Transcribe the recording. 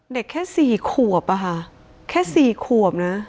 เด็กแค่สี่ขวบอ่ะฮะแค่สี่ขวบนะ